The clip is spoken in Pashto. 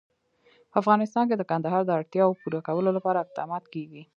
په افغانستان کې د کندهار د اړتیاوو پوره کولو لپاره اقدامات کېږي.